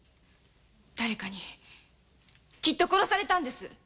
誰かにきっと殺されたんです。